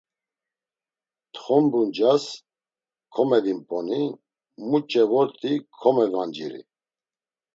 Txombu ncas komevimp̌oni, muç̌e vort̆i komevanciri.